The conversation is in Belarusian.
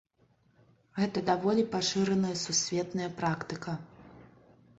Гэта даволі пашыраная сусветная практыка.